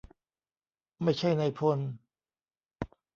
ไม่ใช่นายพล